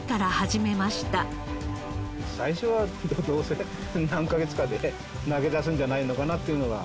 最初はどうせ何カ月かで投げ出すんじゃないのかなっていうのが。